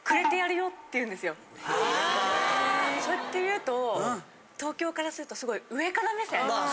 そうやって言うと。